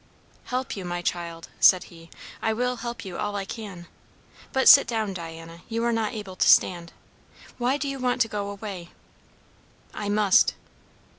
"Help you, my child?" said he; "I will help you all I can. But sit down, Diana; you are not able to stand. Why do you want to go away?" "I must."